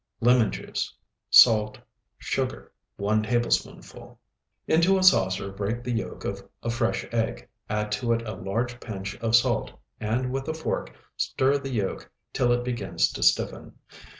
Lemon juice. Salt. Sugar, 1 tablespoonful. Into a saucer break the yolk of a fresh egg; add to it a large pinch of salt, and with a fork stir the yolk till it begins to stiffen.